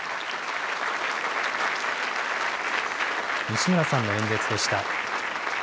西村さんの演説でした。